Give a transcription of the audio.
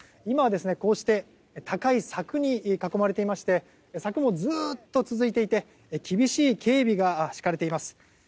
今はこうして高い柵に囲まれていまして柵もずっと続いていて厳しい警備が敷かれています。